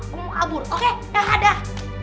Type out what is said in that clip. gue mau kabur oke dah dah